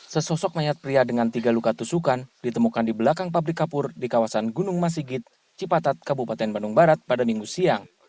sesosok mayat pria dengan tiga luka tusukan ditemukan di belakang pabrik kapur di kawasan gunung masigit cipatat kabupaten bandung barat pada minggu siang